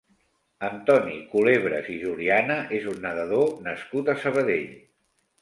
Antoni Culebras i Juliana és un nedador nascut a Sabadell.